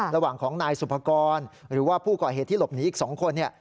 ระหว่างของนายสุภกรหรือว่าผู้ก่อเหตุที่หลบหนีอีก๒คน